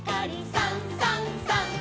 「さんさんさん」